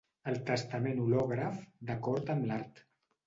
El testament hològraf, d'acord amb l'art.